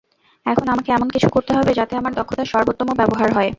এখন আমাকে এমন কিছু করতে হবে যাতে আমার দক্ষতার সর্বোত্তম ব্যবহার হয়।